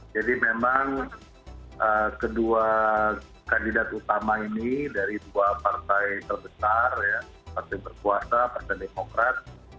jadi memang kedua kandidat utama ini dari dua partai terbesar ya partai berkuasa partai demokrat